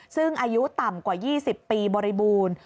ซึ่งอายุต่ำกว่า๒๐ปีบริบูรณ์